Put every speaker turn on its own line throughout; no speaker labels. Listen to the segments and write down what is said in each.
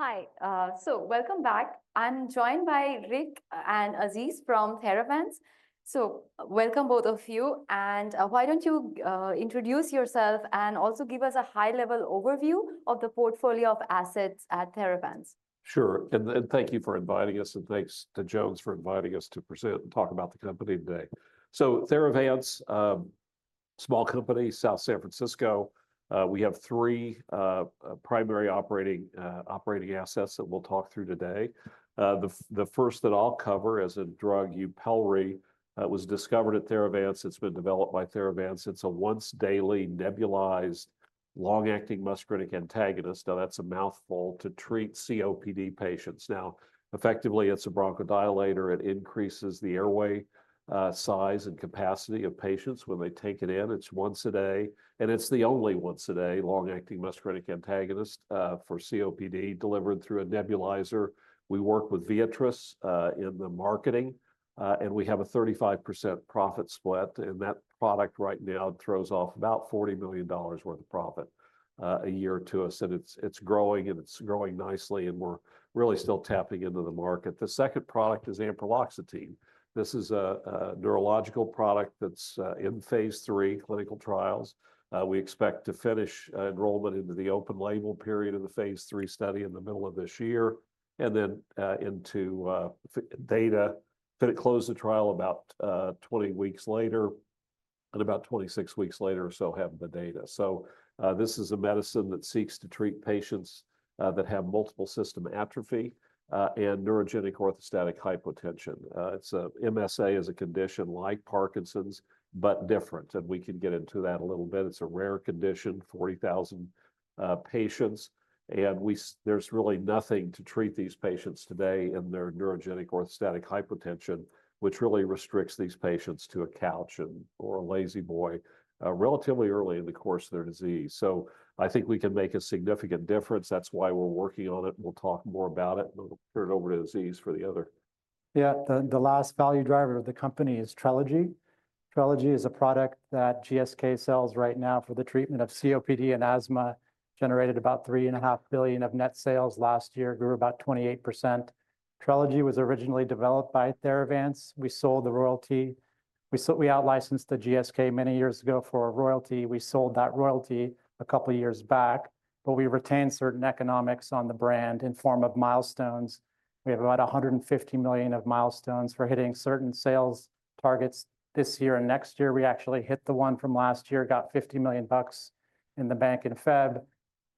Hi, welcome back. I'm joined by Rick and Aziz from Theravance. Welcome both of you. Why don't you introduce yourself and also give us a high-level overview of the portfolio of assets at Theravance?
Sure. Thank you for inviting us, and thanks to Jones for inviting us to present and talk about the company today. Theravance, small company, South San Francisco. We have three primary operating assets that we'll talk through today. The first that I'll cover is a drug, YUPELRI, that was discovered at Theravance. It's been developed by Theravance. It's a once-daily nebulized long-acting muscarinic antagonist. Now, that's a mouthful to treat COPD patients. Now, effectively, it's a bronchodilator. It increases the airway size and capacity of patients when they take it in. It's once a day. It's the only once-a-day long-acting muscarinic antagonist for COPD delivered through a nebulizer. We work with Viatris in the marketing, and we have a 35% profit split. That product right now throws off about $40 million worth of profit a year or two. It's growing, and it's growing nicely, and we're really still tapping into the market. The second product is Ampreloxetine. This is a neurological product that's in phase III clinical trials. We expect to finish enrollment into the open label period of the phase III study in the middle of this year and then into data. Could it close the trial about 20 weeks later and about 26 weeks later or so having the data? This is a medicine that seeks to treat patients that have multiple system atrophy and neurogenic orthostatic hypotension. MSA is a condition like Parkinson's, but different. We can get into that a little bit. It's a rare condition, 40,000 patients. There is really nothing to treat these patients today in their neurogenic orthostatic hypotension, which really restricts these patients to a couch or a lazy boy relatively early in the course of their disease. I think we can make a significant difference. That is why we are working on it. We will talk more about it. I will turn it over to Aziz for the other.
Yeah. The last value driver of the company is Trelegy. Trelegy is a product that GSK sells right now for the treatment of COPD and asthma. Generated about $3.5 billion of net sales last year, grew about 28%. Trelegy was originally developed by Theravance. We sold the royalty. We out-licensed to GSK many years ago for a royalty. We sold that royalty a couple of years back, but we retained certain economics on the brand in form of milestones. We have about $150 million of milestones for hitting certain sales targets this year and next year. We actually hit the one from last year, got $50 million bucks in the bank in February.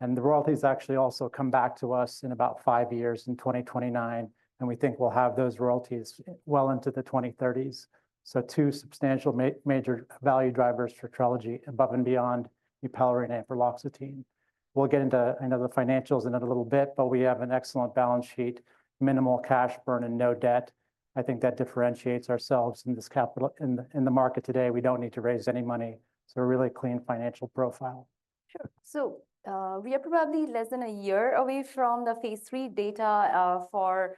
The royalties actually also come back to us in about five years in 2029. We think we'll have those royalties well into the 2030s. Two substantial major value drivers for Trelegy above and beyond YUPELRI and ampreloxetine. We'll get into the financials in a little bit, but we have an excellent balance sheet, minimal cash burn, and no debt. I think that differentiates ourselves in this capital in the market today. We don't need to raise any money. A really clean financial profile.
Sure. We are probably less than a year away from the phase III data for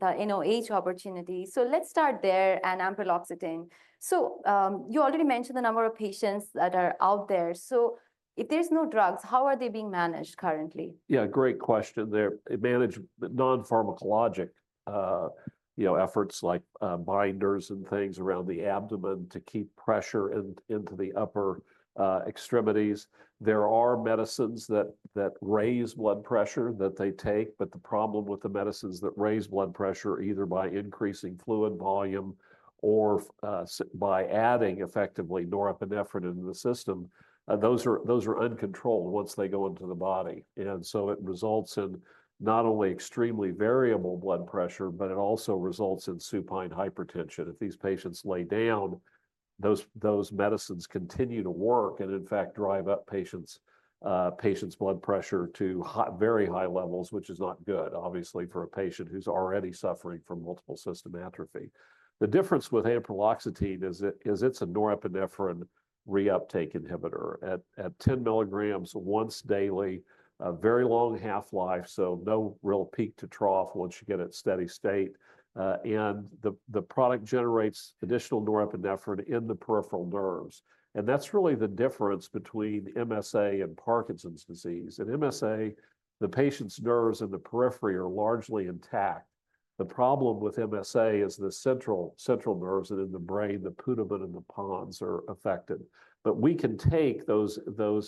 the NOH opportunity. Let's start there and ampreloxetine. You already mentioned the number of patients that are out there. If there's no drugs, how are they being managed currently?
Yeah, great question there. Manage non-pharmacologic efforts like binders and things around the abdomen to keep pressure into the upper extremities. There are medicines that raise blood pressure that they take, but the problem with the medicines that raise blood pressure either by increasing fluid volume or by adding effectively norepinephrine into the system, those are uncontrolled once they go into the body. It results in not only extremely variable blood pressure, but it also results in supine hypertension. If these patients lay down, those medicines continue to work and, in fact, drive up patients' blood pressure to very high levels, which is not good, obviously, for a patient who's already suffering from multiple system atrophy. The difference with ampreloxetine is it's a norepinephrine reuptake inhibitor at 10 mg once daily, a very long half-life, so no real peak to trough once you get at steady state. The product generates additional norepinephrine in the peripheral nerves. That is really the difference between MSA and Parkinson's disease. In MSA, the patient's nerves in the periphery are largely intact. The problem with MSA is the central nerves and in the brain, the putamen and the pons are affected. We can take those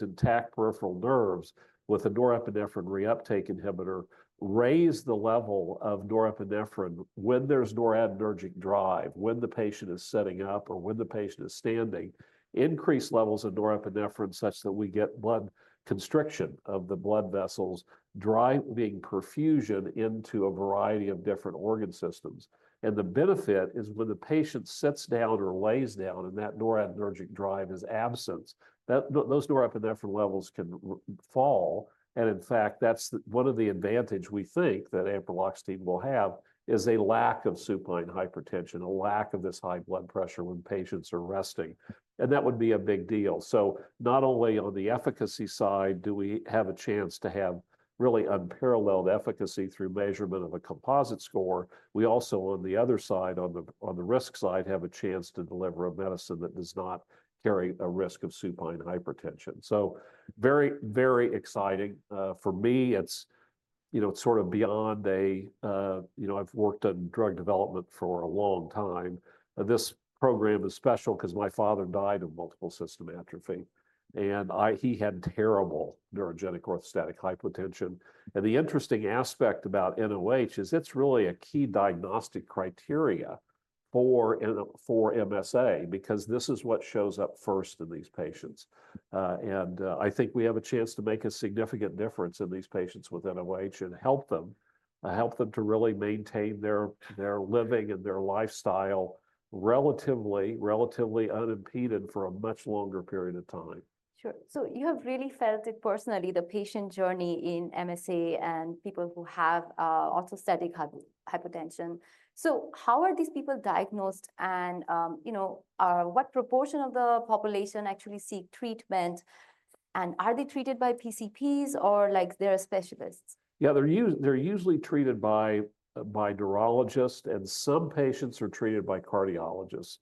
intact peripheral nerves with a norepinephrine reuptake inhibitor, raise the level of norepinephrine when there is noradrenergic drive, when the patient is sitting up or when the patient is standing, increase levels of norepinephrine such that we get constriction of the blood vessels, driving perfusion into a variety of different organ systems. The benefit is when the patient sits down or lays down and that noradrenergic drive is absent, those norepinephrine levels can fall. In fact, that's one of the advantages we think that ampreloxetine will have is a lack of supine hypertension, a lack of this high blood pressure when patients are resting. That would be a big deal. Not only on the efficacy side, do we have a chance to have really unparalleled efficacy through measurement of a composite score. We also, on the other side, on the risk side, have a chance to deliver a medicine that does not carry a risk of supine hypertension. Very, very exciting. For me, it's sort of beyond a, you know, I've worked on drug development for a long time. This program is special because my father died of multiple system atrophy. He had terrible neurogenic orthostatic hypotension. The interesting aspect about NOH is it's really a key diagnostic criteria for MSA because this is what shows up first in these patients. I think we have a chance to make a significant difference in these patients with NOH and help them to really maintain their living and their lifestyle relatively unimpeded for a much longer period of time.
Sure. So you have really felt it personally, the patient journey in MSA and people who have orthostatic hypotension. How are these people diagnosed? What proportion of the population actually seek treatment? Are they treated by PCPs or like their specialists?
Yeah, they're usually treated by neurologists. Some patients are treated by cardiologists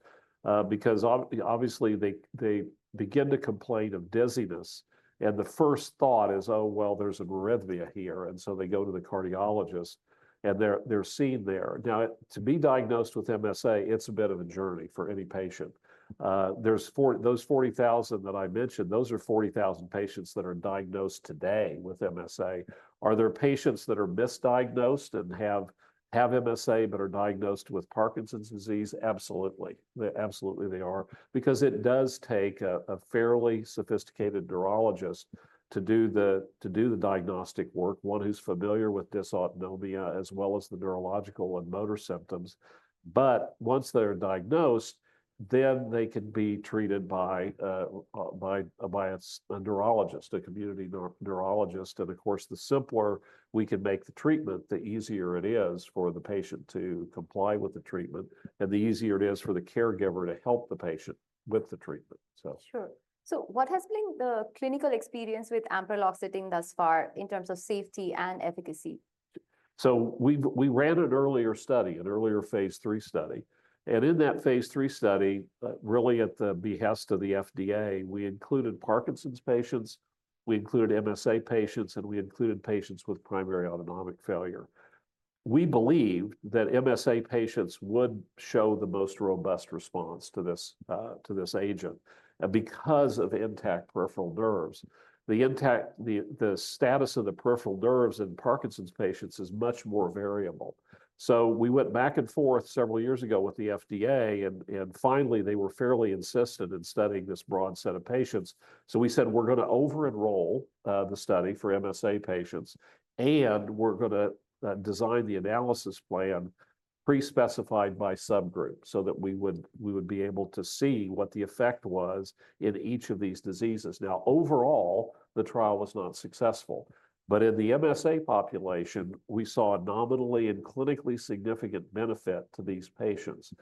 because obviously they begin to complain of dizziness. The first thought is, oh, well, there's an arrhythmia here. They go to the cardiologist and they're seen there. Now, to be diagnosed with MSA, it's a bit of a journey for any patient. Those 40,000 that I mentioned, those are 40,000 patients that are diagnosed today with MSA. Are there patients that are misdiagnosed and have MSA but are diagnosed with Parkinson's disease? Absolutely. Absolutely, they are. It does take a fairly sophisticated neurologist to do the diagnostic work, one who's familiar with dysautonomia as well as the neurological and motor symptoms. Once they're diagnosed, they can be treated by a neurologist, a community neurologist. The simpler we can make the treatment, the easier it is for the patient to comply with the treatment and the easier it is for the caregiver to help the patient with the treatment.
Sure. What has been the clinical experience with ampreloxetine thus far in terms of safety and efficacy?
We ran an earlier study, an earlier phase III study. In that phase III study, really at the behest of the FDA, we included Parkinson's patients, we included MSA patients, and we included patients with primary autonomic failure. We believe that MSA patients would show the most robust response to this agent because of intact peripheral nerves. The status of the peripheral nerves in Parkinson's patients is much more variable. We went back and forth several years ago with the FDA, and finally, they were fairly insistent in studying this broad set of patients. We said, we're going to over-enroll the study for MSA patients, and we're going to design the analysis plan pre-specified by subgroup so that we would be able to see what the effect was in each of these diseases. Now, overall, the trial was not successful. In the MSA population, we saw a nominally and clinically significant benefit to these patients.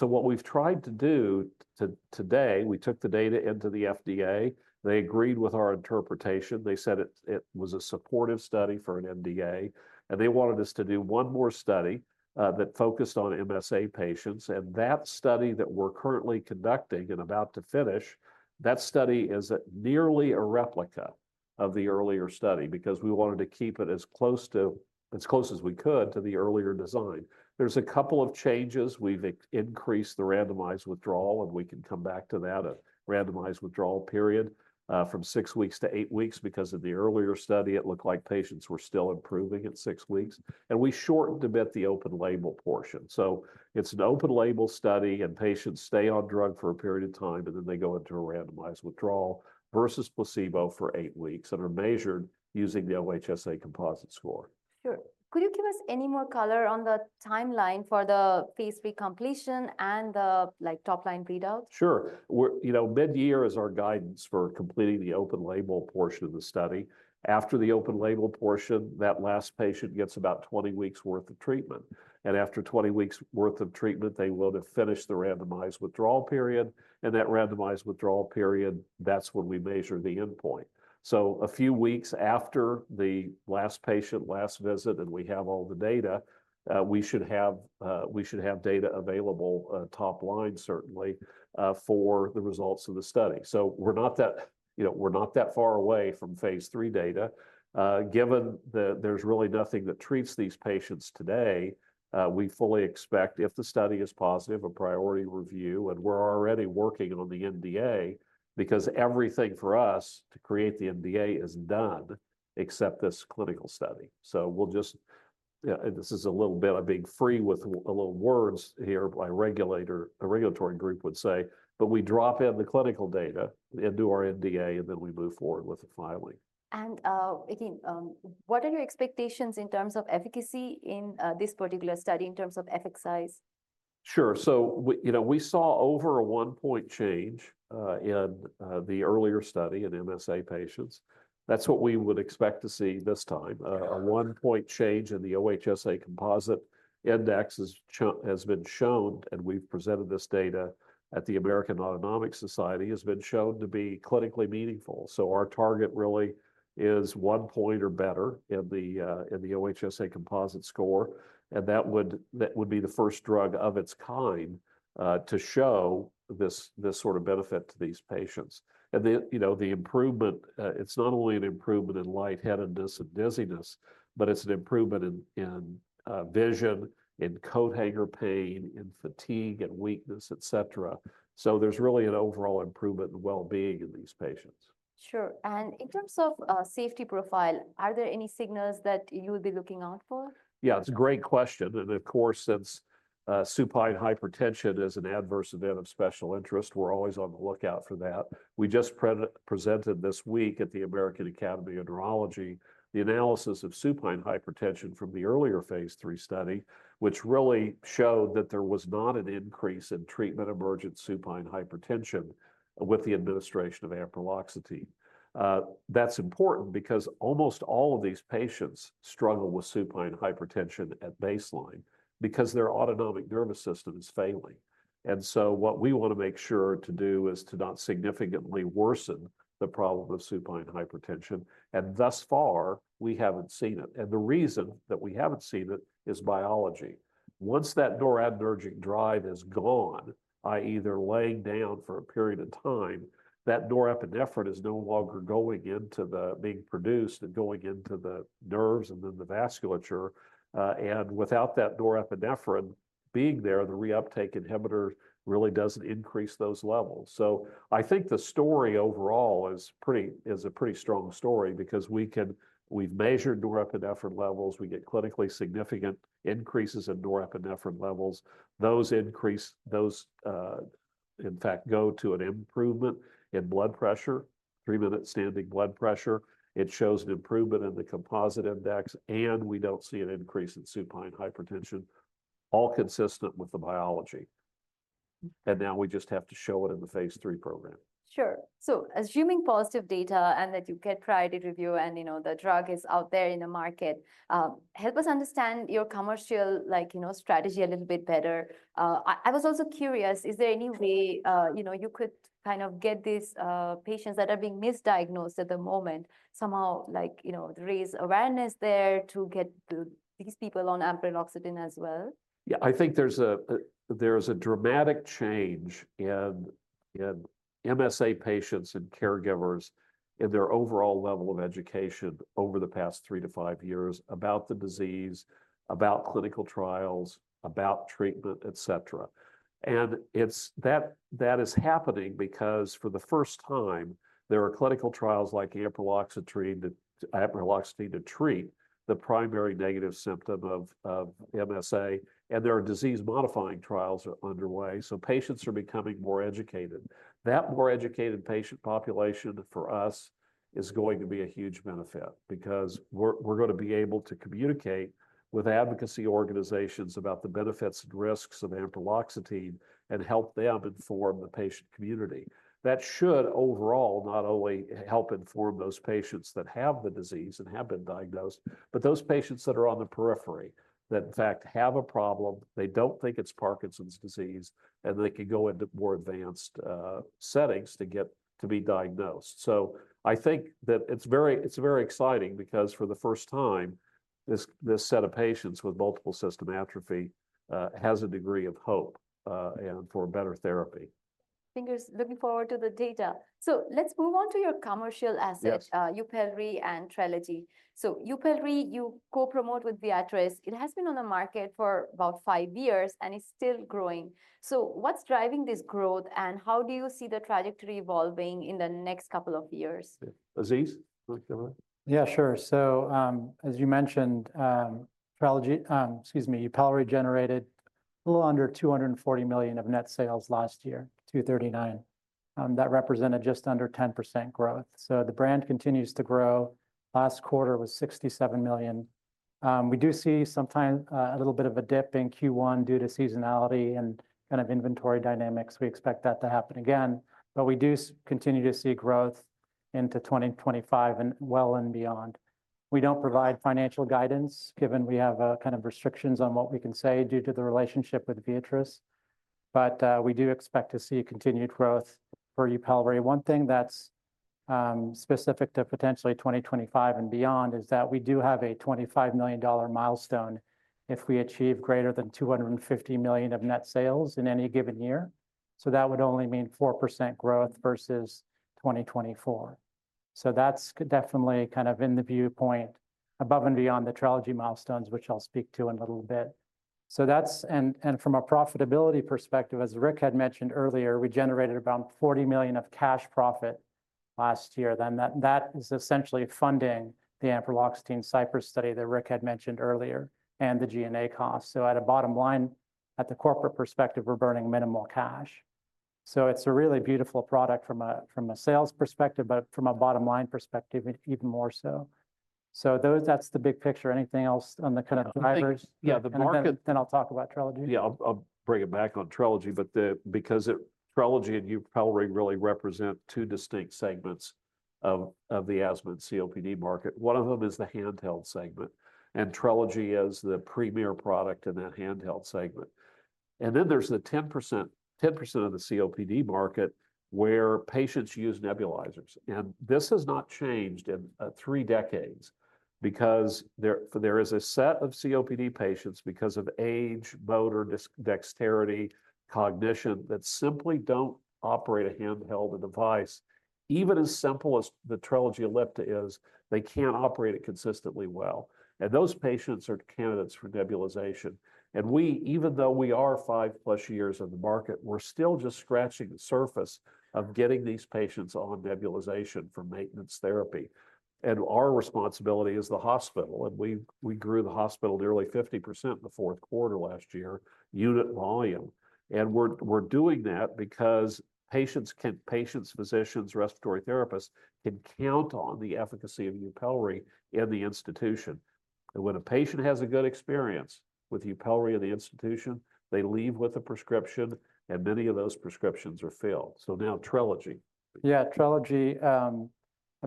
What we've tried to do today, we took the data into the FDA. They agreed with our interpretation. They said it was a supportive study for an NDA. They wanted us to do one more study that focused on MSA patients. That study that we're currently conducting and about to finish, that study is nearly a replica of the earlier study because we wanted to keep it as close as we could to the earlier design. There's a couple of changes. We've increased the randomized withdrawal, and we can come back to that randomized withdrawal period from six weeks to eight weeks. Because of the earlier study, it looked like patients were still improving at six weeks. We shortened a bit the open label portion. It's an open label study, and patients stay on drug for a period of time, and then they go into a randomized withdrawal versus placebo for eight weeks and are measured using the OHSA composite score.
Sure. Could you give us any more color on the timeline for the phase III completion and the top-line readout?
Sure. Mid-year is our guidance for completing the open label portion of the study. After the open label portion, that last patient gets about 20 weeks' worth of treatment. After 20 weeks' worth of treatment, they will have finished the randomized withdrawal period. That randomized withdrawal period, that's when we measure the endpoint. A few weeks after the last patient, last visit, and we have all the data, we should have data available top line, certainly, for the results of the study. We're not that far away from phase III data. Given that there's really nothing that treats these patients today, we fully expect, if the study is positive, a priority review. We're already working on the NDA because everything for us to create the NDA is done except this clinical study. This is a little bit of being free with a little words here by regulatory group would say, but we drop in the clinical data and do our NDA, and then we move forward with the filing.
What are your expectations in terms of efficacy in this particular study in terms of efficacy?
Sure. We saw over a one-point change in the earlier study in MSA patients. That is what we would expect to see this time. A one-point change in the OHSA composite index has been shown, and we have presented this data at the American Autonomic Society, has been shown to be clinically meaningful. Our target really is one point or better in the OHSA composite score. That would be the first drug of its kind to show this sort of benefit to these patients. The improvement, it is not only an improvement in lightheadedness and dizziness, but it is an improvement in vision, in coat hanger pain, in fatigue and weakness, et cetera. There is really an overall improvement in well-being in these patients.
Sure. In terms of safety profile, are there any signals that you would be looking out for?
Yeah, it's a great question. Of course, since supine hypertension is an adverse event of special interest, we're always on the lookout for that. We just presented this week at the American Academy of Neurology the analysis of supine hypertension from the earlier phase III study, which really showed that there was not an increase in treatment emergent supine hypertension with the administration of ampreloxetine. That's important because almost all of these patients struggle with supine hypertension at baseline because their autonomic nervous system is failing. What we want to make sure to do is to not significantly worsen the problem of supine hypertension. Thus far, we haven't seen it. The reason that we haven't seen it is biology. Once that noradrenergic drive is gone, i.e., they're laying down for a period of time, that norepinephrine is no longer being produced and going into the nerves and then the vasculature. Without that norepinephrine being there, the reuptake inhibitor really doesn't increase those levels. I think the story overall is a pretty strong story because we've measured norepinephrine levels. We get clinically significant increases in norepinephrine levels. Those increase, in fact, go to an improvement in blood pressure, three-minute standing blood pressure. It shows an improvement in the composite index, and we don't see an increase in supine hypertension, all consistent with the biology. Now we just have to show it in the phase III program.
Sure. Assuming positive data and that you get priority review and the drug is out there in the market, help us understand your commercial strategy a little bit better. I was also curious, is there any way you could kind of get these patients that are being misdiagnosed at the moment somehow to raise awareness there to get these people on ampreloxetine as well?
Yeah, I think there's a dramatic change in MSA patients and caregivers in their overall level of education over the past three to five years about the disease, about clinical trials, about treatment, et cetera. That is happening because for the first time, there are clinical trials like ampreloxetine to treat the primary negative symptom of MSA. There are disease-modifying trials underway. Patients are becoming more educated. That more educated patient population for us is going to be a huge benefit because we're going to be able to communicate with advocacy organizations about the benefits and risks of ampreloxetine and help them inform the patient community. That should overall not only help inform those patients that have the disease and have been diagnosed, but those patients that are on the periphery that in fact have a problem, they do not think it is Parkinson's disease, and they can go into more advanced settings to be diagnosed. I think that it is very exciting because for the first time, this set of patients with multiple system atrophy has a degree of hope for better therapy.
Fingers looking forward to the data. Let's move on to your commercial asset, YUPELRI and Trelegy. YUPELRI, you co-promote with Viatris. It has been on the market for about five years and is still growing. What's driving this growth and how do you see the trajectory evolving in the next couple of years?
Aziz, would you like to go ahead?
Yeah, sure. As you mentioned, Trelegy, excuse me, YUPELRI generated a little under $240 million of net sales last year, $239 million. That represented just under 10% growth. The brand continues to grow. Last quarter was $67 million. We do see sometimes a little bit of a dip in Q1 due to seasonality and kind of inventory dynamics. We expect that to happen again. We do continue to see growth into 2025 and well and beyond. We do not provide financial guidance given we have kind of restrictions on what we can say due to the relationship with Viatris. We do expect to see continued growth for YUPELRI. One thing that is specific to potentially 2025 and beyond is that we do have a $25 million milestone if we achieve greater than $250 million of net sales in any given year. That would only mean 4% growth versus 2024. That's definitely kind of in the viewpoint above and beyond the Trelegy milestones, which I'll speak to in a little bit. From a profitability perspective, as Rick had mentioned earlier, we generated around $40 million of cash profit last year. That is essentially funding the ampreloxetine CYPRESS study that Rick had mentioned earlier and the G&A costs. At a bottom line, at the corporate perspective, we're burning minimal cash. It's a really beautiful product from a sales perspective, but from a bottom line perspective, even more so. That's the big picture. Anything else on the kind of drivers?
Yeah, the market.
I will talk about Trelegy.
Yeah, I'll bring it back on Trelegy, because Trelegy and YUPELRI really represent two distinct segments of the asthma and COPD market. One of them is the handheld segment. Trelegy is the premier product in that handheld segment. There is the 10% of the COPD market where patients use nebulizers. This has not changed in three decades because there is a set of COPD patients, because of age, motor dexterity, cognition, that simply do not operate a handheld device. Even as simple as the Trelegy Ellipta is, they cannot operate it consistently well. Those patients are candidates for nebulization. Even though we are 5+ years in the market, we are still just scratching the surface of getting these patients on nebulization for maintenance therapy. Our responsibility is the hospital. We grew the hospital nearly 50% in the fourth quarter last year, unit volume. We are doing that because patients, physicians, respiratory therapists can count on the efficacy of YUPELRI in the institution. When a patient has a good experience with YUPELRI in the institution, they leave with a prescription, and many of those prescriptions are filled. Now Trelegy.
Yeah, Trelegy, a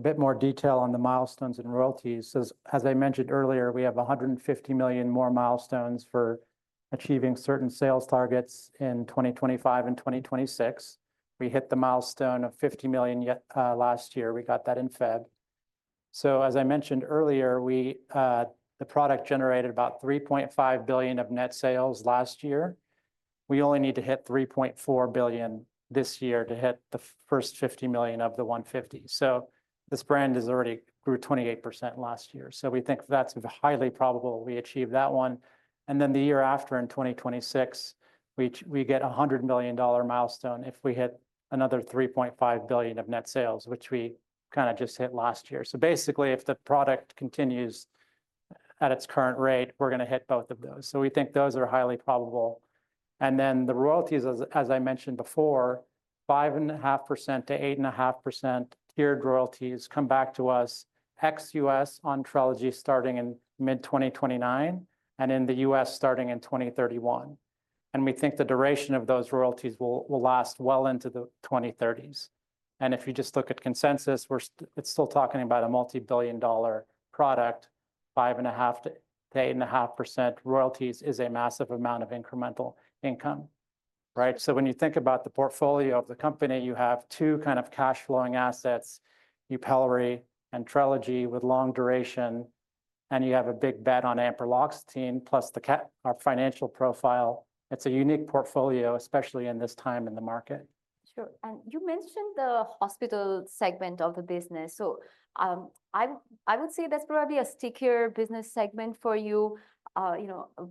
bit more detail on the milestones and royalties. As I mentioned earlier, we have $150 million more milestones for achieving certain sales targets in 2025 and 2026. We hit the milestone of $50 million last year. We got that in February. As I mentioned earlier, the product generated about $3.5 billion of net sales last year. We only need to hit $3.4 billion this year to hit the first $50 million of the $150 million. This brand already grew 28% last year. We think that's highly probable we achieve that one. The year after, in 2026, we get a $100 million milestone if we hit another $3.5 billion of net sales, which we kind of just hit last year. Basically, if the product continues at its current rate, we're going to hit both of those. We think those are highly probable. The royalties, as I mentioned before, 5.5%-8.5% tiered royalties come back to us ex-U.S. on Trelegy starting in mid-2029 and in the U.S. starting in 2031. We think the duration of those royalties will last well into the 2030s. If you just look at consensus, it is still talking about a multi-billion dollar product. 5.5%-8.5% royalties is a massive amount of incremental income. When you think about the portfolio of the company, you have two kind of cash-flowing assets, YUPELRI and Trelegy with long duration. You have a big bet on ampreloxetine plus our financial profile. It is a unique portfolio, especially in this time in the market.
Sure. You mentioned the hospital segment of the business. I would say that's probably a stickier business segment for you.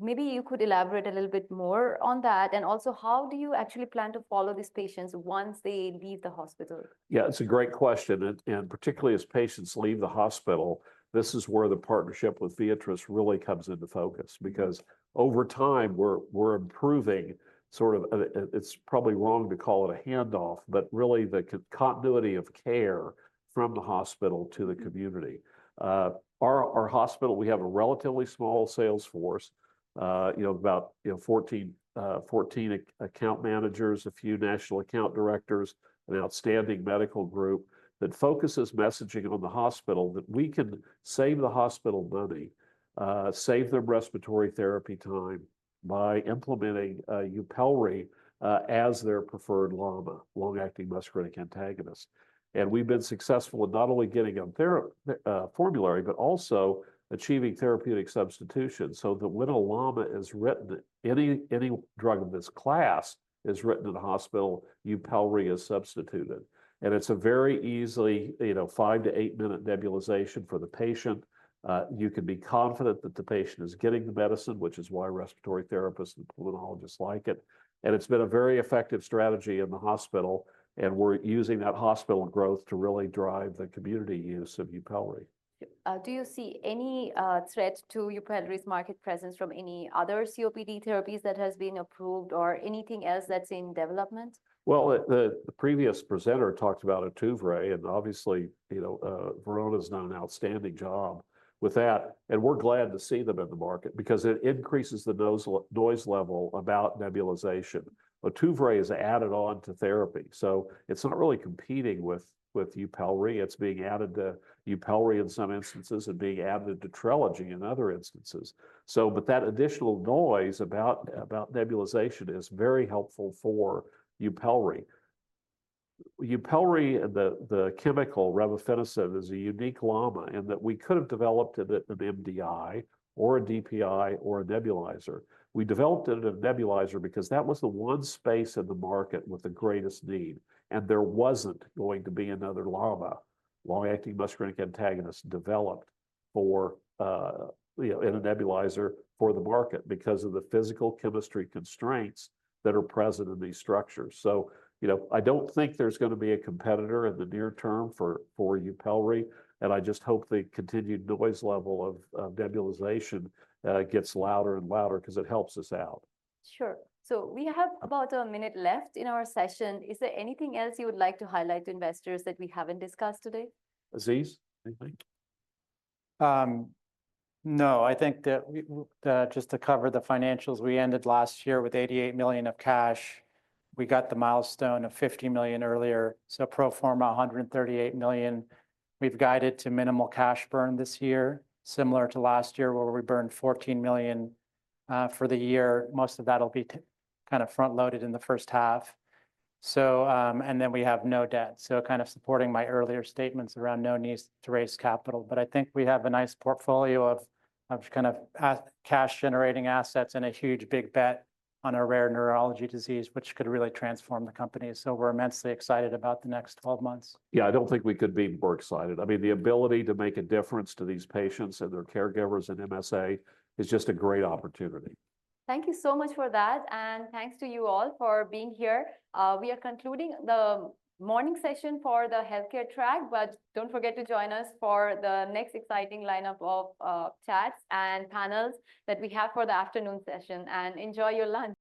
Maybe you could elaborate a little bit more on that. Also, how do you actually plan to follow these patients once they leave the hospital?
Yeah, it's a great question. Particularly as patients leave the hospital, this is where the partnership with Viatris really comes into focus because over time, we're improving sort of, it's probably wrong to call it a handoff, but really the continuity of care from the hospital to the community. Our hospital, we have a relatively small sales force, about 14 account managers, a few national account directors, an outstanding medical group that focuses messaging on the hospital that we can save the hospital money, save their respiratory therapy time by implementing YUPELRI as their preferred LAMA, long-acting muscarinic antagonist. We've been successful in not only getting them formulary, but also achieving therapeutic substitution so that when a LAMA is written, any drug of this class is written in the hospital, YUPELRI is substituted. It's a very easily five to eight-minute nebulization for the patient. You can be confident that the patient is getting the medicine, which is why respiratory therapists and pulmonologists like it. It has been a very effective strategy in the hospital. We are using that hospital growth to really drive the community use of YUPELRI.
Do you see any threat to YUPELRI's market presence from any other COPD therapies that have been approved or anything else that's in development?
The previous presenter talked about Ohtuvayre. Obviously, Verona has done an outstanding job with that. We are glad to see them in the market because it increases the noise level about nebulization. Ohtuvayre is added on to therapy, so it is not really competing with YUPELRI. It is being added to YUPELRI in some instances and being added to Trelegy in other instances. That additional noise about nebulization is very helpful for YUPELRI. YUPELRI, the chemical revefenacin, is a unique LAMA in that we could have developed it as an MDI or a DPI or a nebulizer. We developed it as a nebulizer because that was the one space in the market with the greatest need. There was not going to be another LAMA, long-acting muscarinic antagonist, developed in a nebulizer for the market because of the physical chemistry constraints that are present in these structures. I don't think there's going to be a competitor in the near term for YUPELRI. I just hope the continued noise level of nebulization gets louder and louder because it helps us out.
Sure. We have about a minute left in our session. Is there anything else you would like to highlight to investors that we haven't discussed today?
Aziz, anything?
No, I think that just to cover the financials, we ended last year with $88 million of cash. We got the milestone of $50 million earlier. Pro forma, $138 million. We've guided to minimal cash burn this year, similar to last year where we burned $14 million for the year. Most of that will be kind of front-loaded in the first half. We have no debt. Kind of supporting my earlier statements around no need to raise capital. I think we have a nice portfolio of kind of cash-generating assets and a huge big bet on a rare neurology disease, which could really transform the company. We're immensely excited about the next 12 months.
Yeah, I don't think we could be more excited. I mean, the ability to make a difference to these patients and their caregivers in MSA is just a great opportunity.
Thank you so much for that. Thank you all for being here. We are concluding the morning session for the healthcare track, but do not forget to join us for the next exciting lineup of chats and panels that we have for the afternoon session. Enjoy your lunch.